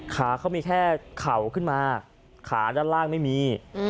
ขาเขามีแค่เข่าขึ้นมาขาด้านล่างไม่มี